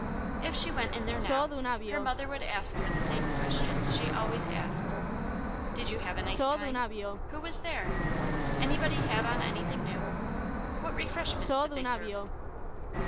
If she went in there now, her mother would ask her the same questions she always asked: "Did you have a nice time?" "Who was there?" "Anybody have on anything new?" "What refreshments did they serve?"